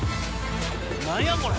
何やこれ。